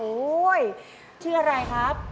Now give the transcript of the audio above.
อุ๊ยชื่ออะไรครับ